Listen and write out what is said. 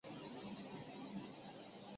澳式足球成为了该国的国民运动。